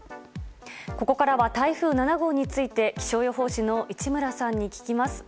ここからは台風７号について気象予報士の市村さんに聞きます。